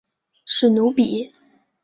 史努比。